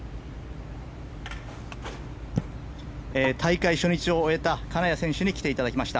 大会初日を終えた金谷選手に来ていただきました。